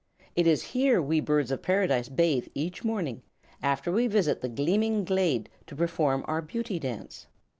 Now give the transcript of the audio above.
It is here we Birds of Paradise bathe each morning, after which we visit the Gleaming Glade to perform our Beauty Dance."